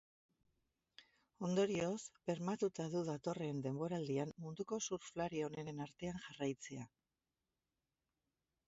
Ondorioz, bermatuta du datorren denboraldian munduko surflari onenen artean jarraitzea.